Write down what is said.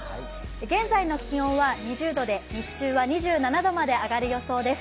現在の気温は２０度で日中は２７度まで上がる予想です。